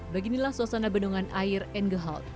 bagi inilah suasana bendungan air enggehalt